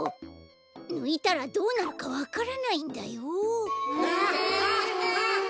ぬいたらどうなるかわからないんだよ！？